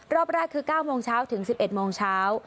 รอบแรกคือ๙โมงเช้าถึง๑๑โมงเช้า